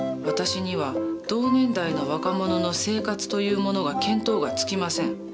私には同年代の若者の生活というものが見当がつきません。